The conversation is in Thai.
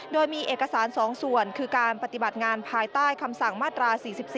โดยมีเอกสาร๒ส่วนคือการปฏิบัติงานภายใต้คำสั่งมาตรา๔๔